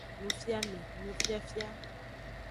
Nufiame, nufiafia.